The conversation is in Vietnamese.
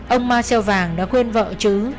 ông marcel vàng đã khuyên vợ chứ